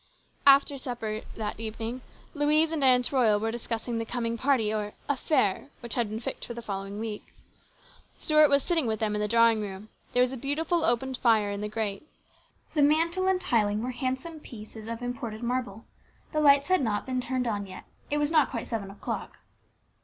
After supper that evening, Louise and Aunt Royal were discussing the coming party or "affair," which had been fixed for the following week. Stuart was sitting with them in the drawing room. There was a beautiful open fire in the grate. The mantel and tiling were handsome pieces of imported marble. The lights had not been turned on yet. It was not quite seven o'clock.